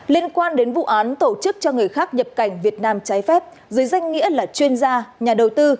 liên quan đến vụ án tổ chức cho người khác nhập cảnh việt nam trái phép dưới danh nghĩa là chuyên gia nhà đầu tư